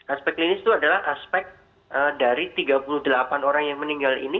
aspek klinis itu adalah aspek dari tiga puluh delapan orang yang meninggal ini